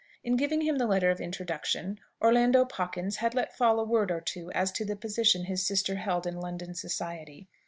In giving him the letter of introduction, Orlando Pawkins had let fall a word or two as to the position his sister held in London society.